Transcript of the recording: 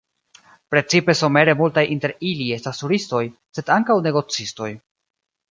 Precipe somere multaj inter ili estas turistoj, sed ankaŭ negocistoj.